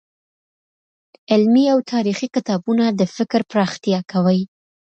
علمي او تاريخي کتابونه د فکر پراختيا کوي.